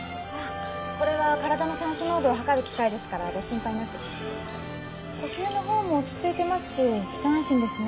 これは体の酸素濃度を計る機械ですからご心配なく呼吸の方も落ち着いてますし一安心ですね